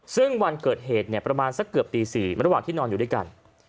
ซึ่งวันเกิดเหตุประมาณสักเกือบตี๔ระหว่างที่นอนอยู่ด้วยกัน